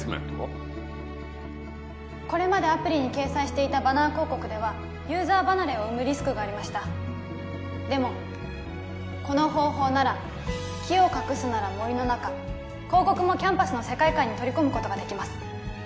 これまでアプリに掲載していたバナー広告ではユーザー離れを生むリスクがありましたでもこの方法なら木を隠すなら森の中広告もキャンパスの世界観に取り込むことができます